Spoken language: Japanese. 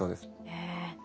へえ。